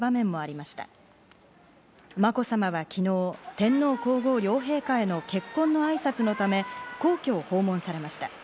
まこさまは昨日、天皇皇后両陛下への結婚の挨拶のため皇居を訪問されました。